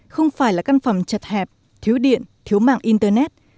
không phải là căn phòng chật hẹp thiếu điện thiếu mạng internet